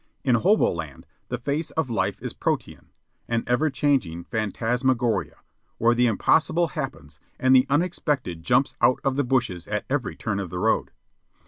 In Hobo Land the face of life is protean an ever changing phantasmagoria, where the impossible happens and the unexpected jumps out of the bushes at every turn of the road.